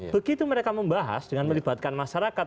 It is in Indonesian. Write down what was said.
begitu mereka membahas dengan melibatkan masyarakat